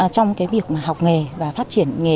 trong việc học nghề và phát triển nghề